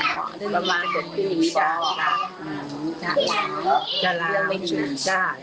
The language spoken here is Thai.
ประมาณ๖ปีบ้าง